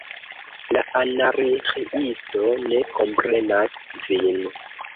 La Anarĥiisto ne komprenas vin.